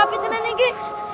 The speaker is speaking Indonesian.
aduh api tenan lagi